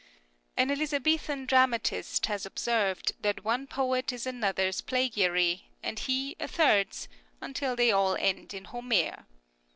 An Elizabethan dramatist has observed that one poet is another's plagiary, and he a third's, until they all end in Homer.